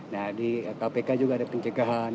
nah di kpk juga ada pencegahan